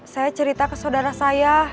saya cerita ke saudara saya